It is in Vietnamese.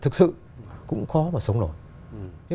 thực sự cũng khó mà sống nổi